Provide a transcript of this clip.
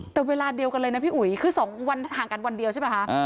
แต่เวลาเดียวกันเลยนะพี่อุ๋ยคือ๒วันห่างกันวันเดียวใช่ป่ะคะ